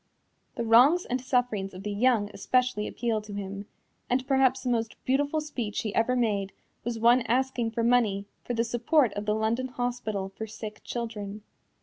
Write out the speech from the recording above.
The wrongs and sufferings of the young especially appealed to him, and perhaps the most beautiful speech he ever made was one asking for money for the support of the London Hospital for Sick Children.